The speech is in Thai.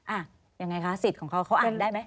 อ่ะยังไงคะสิทธิ์ของเขาเขาอ่านได้ไหม